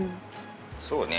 そうね。